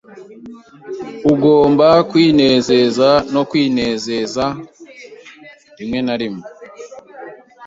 Ugomba kwinezeza no kwinezeza rimwe na rimwe.